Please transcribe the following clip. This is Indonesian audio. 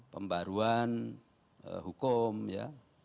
pembaruan hukum ya